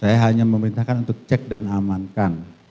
saya hanya memerintahkan untuk cek dan amankan